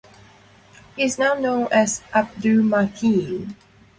He is now known as Abdul Mateen.